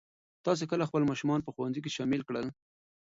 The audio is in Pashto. تاسو کله خپل ماشومان په ښوونځي کې شامل کړل؟